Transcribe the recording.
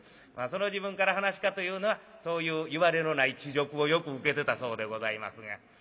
その時分から噺家というのはそういういわれのない恥辱をよく受けてたそうでございますが。